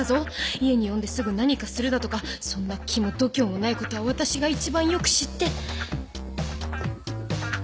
家に呼んですぐ何かするだとかそんな気も度胸もないことは私が一番よく知って